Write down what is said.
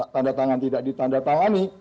tanda tangan tidak ditanda tangani